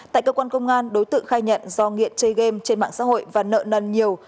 tại cơ quan công an đối tượng khai nhận do nghiện chơi game trên mạng xã hội và nợ nần nhiều